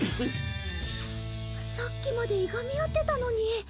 さっきまでいがみ合ってたのに。